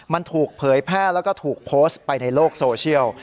มันถูกเผยแพร่แล้วก็ถูกโพสต์ไปในโลกโซเชียล